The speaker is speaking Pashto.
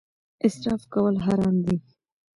اسراف کول حرام دي